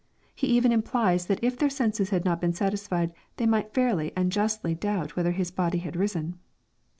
He even implies that if their senses had not been satisfied they might fairly and justly doubt whether His body had risen.